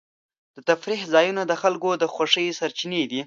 د تفریح ځایونه د خلکو د خوښۍ سرچینې دي.